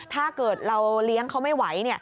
ถ้าเกิดเราเลี้ยงเขาไม่ไหว